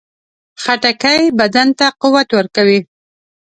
خټکی بدن ته قوت ورکوي.